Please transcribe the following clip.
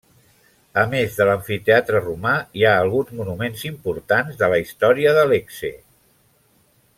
A més de l'amfiteatre romà, hi ha alguns monuments importants de la història de Lecce.